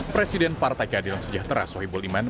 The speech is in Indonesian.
presiden partai keadilan sejahtera sohibo liman